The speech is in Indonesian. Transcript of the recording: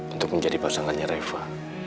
untuk menjadi pasangannya reva